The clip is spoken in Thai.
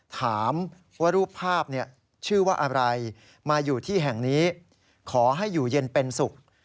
ถามว่ารูปภาพชื่อว่าอะไรมาอยู่ที่แห่งนี้ขอให้อยู่เย็นเป็นสุข